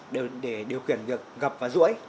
để điều kiện việc gập và rũi